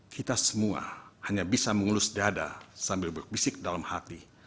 kita semua hanya bisa mengelus dada sambil berbisik dalam hati